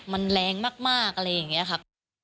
มันแรงมากอะไรอย่างนี้ครับ